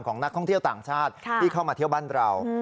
ของนักท่องเที่ยวต่างชาติที่เข้ามาเที่ยวบ้านเรา